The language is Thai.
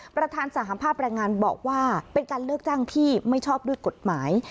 ประธานสหภาพแรงงานบอกว่าเป็นการเลือกจ้างที่ไม่ชอบด้วยกฎหมาย